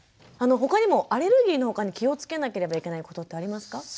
ほかにもアレルギーのほかに気をつけなければいけないことってありますか？